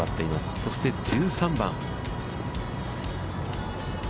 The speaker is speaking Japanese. そして１３番。